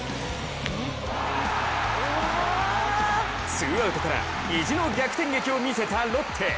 ツーアウトから意地の逆転劇を見せたロッテ。